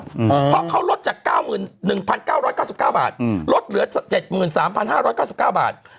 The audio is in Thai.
เพราะเขาลดจาก๙๑๙๙๙บาทลดเหลือ๗๓๕๙๙บาท